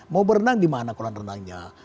mau berenang di mana kolam renangnya